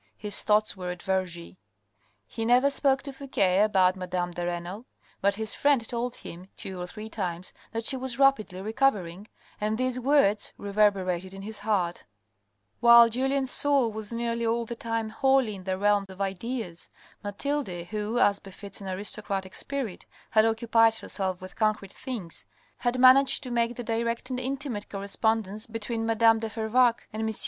His thoughts were at Vergy. He never spoke to Fouque about madame de Renal, but his friend told him two or three times that she was rapidly recovering, and these words reverberated in his heart. TRANQUILLITY 491 While Julien's soul was nearly all the time wholly in the realm of ideas, Mathilde, who, as befits an aristocratic spirit, had occupied herself with concrete things, had managed to make the direct and intimate correspondence between madame de Fervaques and M.